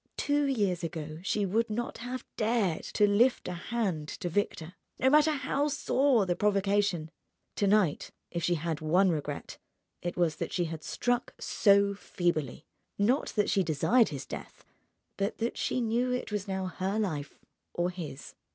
Two years ago she would not have dared to lift a hand to Victor, no matter how sore the provocation. To night—if she had one regret it was that she had struck so feebly: not that she desired his death, but that she knew it was now her life or his.